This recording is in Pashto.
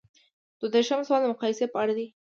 دوه دیرشم سوال د مقایسې په اړه دی.